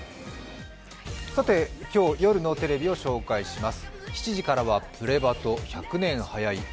今日、夜のテレビを紹介します。